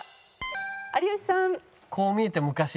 有吉さん。